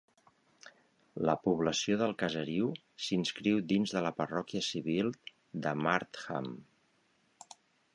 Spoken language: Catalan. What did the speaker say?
La població del caseriu s"inscriu dins de la parròquia civil de Martham.